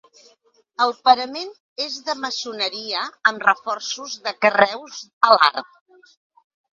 El parament és de maçoneria amb reforços de carreus a l'arc.